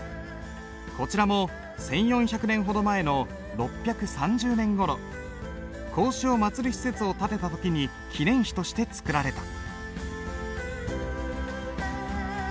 こちらも１，４００年ほど前の６３０年ごろ孔子を祭る施設を建てた時に記念碑として作られた。